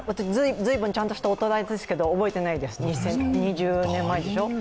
随分ちゃんとした大人ですけど、覚えていないですね、２０年前でしょう。